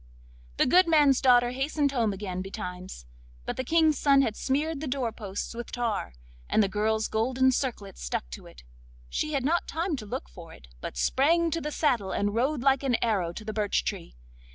The good man's daughter hastened home again betimes, but the King's son had smeared the door posts with tar, and the girl's golden circlet stuck to it. She had not time to look for it, but sprang to the saddle and rode like an arrow to the birch tree.